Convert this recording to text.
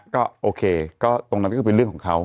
ก็โอเคก็ตรงนั้นก็คือเป็นเรื่องของเขา